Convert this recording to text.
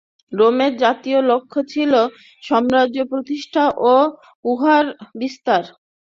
রোমের জাতীয় লক্ষ্য ছিল সাম্রাজ্য-প্রতিষ্ঠা ও উহার বিস্তার।